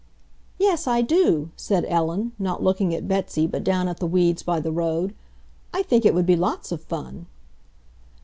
"Yes, I do!" said Ellen, not looking at Betsy but down at the weeds by the road. "I think it would be lots of fun!"